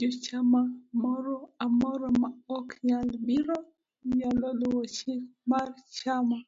Jachamamoro amora ma ok nyal biro, nyalo luwo chik mar chama